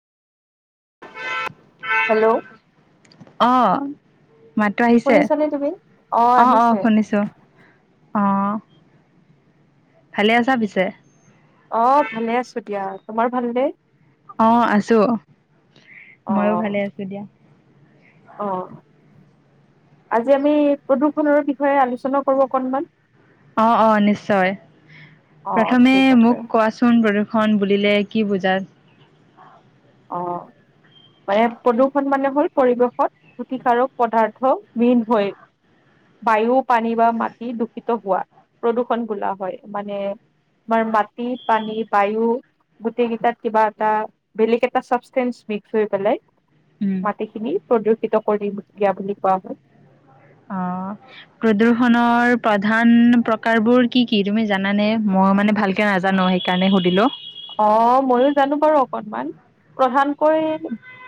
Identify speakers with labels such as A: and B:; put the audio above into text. A: Hello
B: অঁ [unintelligible]
A: শুনিছনে তুমি অঁ আহিছে ।
B: অঁ ভালে আছা পিছে?
A: অঁ ভালে আছো দিয়া । তোমাৰ ভালনে?
B: অঁ আছো মইও ভালে আছো দিয়া ।
A: অঁ আজি আমি প্ৰদুৰ্ষণৰ বিষয়ে আলোচনা কঁৰো অকণমান ।
B: অঁ অঁ নিশ্চয়,
A: অ',
B: প্ৰথমে
A: ঠিক আছে।
B: মোক কোৱাচোন প্ৰদূষন বুলিলে কি বুজা?
A: অঁ মানে, প্ৰদূৰ্ষণ মানে হ'ল -পৰিৱেশত কুটিকাৰক পদাৰ্থ মিলহৈ বায়ু, পানী বা মাটি দূষিত হোৱা প্ৰদূৰ্ষণ বোলা হ'য়, মানে আমাৰ মাটি, পানী, বায়ু গোটেই কেইটাত কিবা এটা বেলেগ এট টা চবষ্টেণ্ডচ্‌ মিক্সহৈ পেলাই
B: উম,
A: মাটিখিনি প্ৰদূৰ্ষিত বুলি সুকীয়া বুলি কোৱা হয় [unintelligible]
B: অ প্ৰদূ্ষনৰ প্ৰধান প্ৰকাৰ বোৰ কি কি তুমি জানানে মই মানে ভালকে নাজানো সেইকাৰণে সুধিলো [unintelligible]
A: অ ময়ো জানো বাৰু অকনমান প্ৰধানকৈ